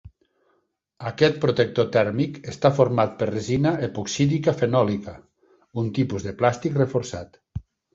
Aquest protector tèrmic està format per resina epoxídica fenòlica, un tipus de plàstic reforçat.